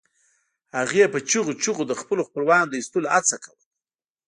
هغې په چیغو چیغو د خپلو خپلوانو د ایستلو هڅه کوله